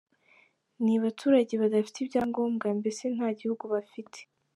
Ni abaturage badafite ibyangombwa, mbese nta gihugu bafite.